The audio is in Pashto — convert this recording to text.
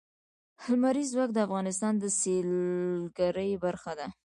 لمریز ځواک د افغانستان د سیلګرۍ برخه ده.